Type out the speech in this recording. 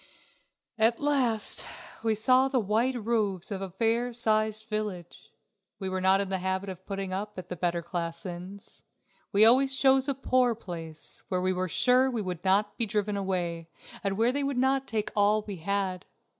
At last we saw the white roofs of a fair sized village. We were not in the habit of putting up at the better class inns. We always chose a poor place, where we were sure we should not be driven away, and where they would not take all we had.